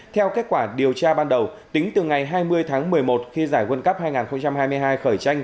theo kết quả điều tra ban đầu tính từ ngày hai mươi tháng một mươi một khi giải world cup hai nghìn hai mươi hai khởi tranh